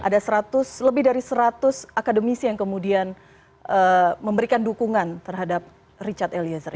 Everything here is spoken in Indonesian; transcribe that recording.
ada lebih dari seratus akademisi yang kemudian memberikan dukungan terhadap richard eliezer